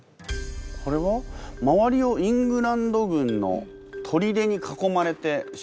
これは周りをイングランド軍のとりでに囲まれてしまっている？